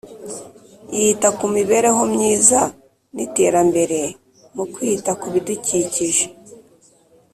Yita ku mibereho myiza n’iterambere mu kwita ku bidukikije